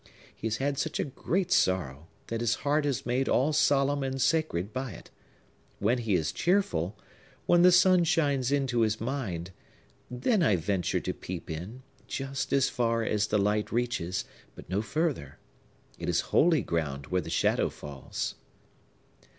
He has had such a great sorrow, that his heart is made all solemn and sacred by it. When he is cheerful,—when the sun shines into his mind,—then I venture to peep in, just as far as the light reaches, but no further. It is holy ground where the shadow falls!"